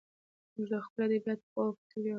موږ د خپلو ادیبانو په پوهه او فکر ویاړو.